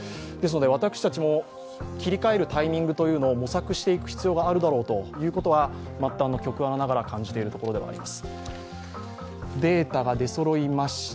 私たちも切り替えるタイミングを模索していく必要があるだろうということは末端の局アナながら感じているところであります。